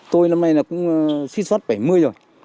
tôi năm nay là cũng suýt xuất bảy mươi rồi